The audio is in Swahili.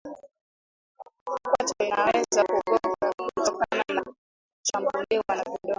Kwato inaweza kungoka kutokana na kushambuliwa na vidonda